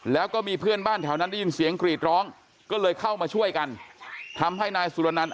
แล้วก็มีเพื่อนบ้านแถวนั้นได้ยินเสียงกรีดร้องก็เลยเข้ามาช่วยกันทำให้นายสุรนันต์